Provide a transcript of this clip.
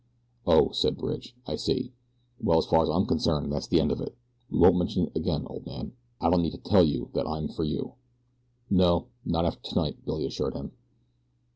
"Oh," said Bridge, "I see. Well, as far as I'm concerned that's the end of it we won't mention it again, old man. I don't need to tell you that I'm for you." "No, not after tonight," Billy assured him.